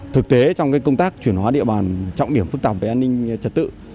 thực tế trong công tác chuyển hóa địa bàn trọng điểm phức tạp về an ninh trật tự